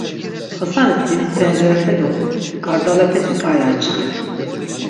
Xasanis didi tencerepe do k̆ardalapeti k̆ai açxen.